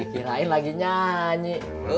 dikirain lagi nyanyi